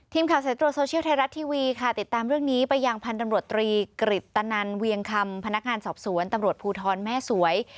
สายตรวจโซเชียลไทยรัฐทีวีค่ะติดตามเรื่องนี้ไปยังพันธุ์ตำรวจตรีกริตตนันเวียงคำพนักงานสอบสวนตำรวจภูทรแม่สวย